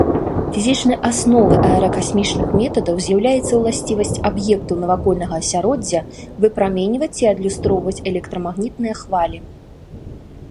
Фізічнай асновай аэракасмічных метадаў з'яўляецца ўласцівасць аб'ектаў навакольнага асяроддзя выпраменьваць ці адлюстроўваць электрамагнітныя хвалі.